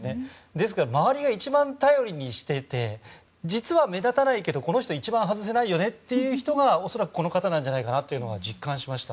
ですから周りが一番頼りにしていて実は目立たないけど一番外せないよねという人が恐らく、この方なのではないかと実感しました。